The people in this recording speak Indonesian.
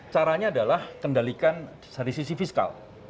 caranya adalah kendalikan dari sisi fiskal